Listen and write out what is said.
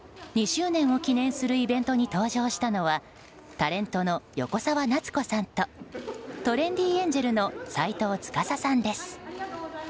２周年を記念するイベントに登場したのはタレントの横澤夏子さんとトレンディエンジェルの斎藤司さんです。